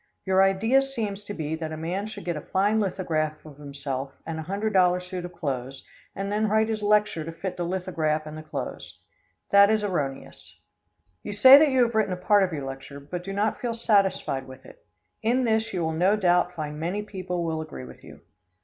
Your idea seems to be that a man should get a fine lithograph of himself and a $100 suit of clothes, and then write his lecture to fit the lithograph and the clothes. That is erroneous. You say that you have written a part of your lecture, but do not feel satisfied with it. In this you will no doubt find many people will agree with you.